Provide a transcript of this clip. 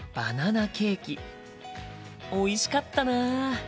おいしかったな。